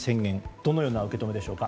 どのような受け止めでしょうか。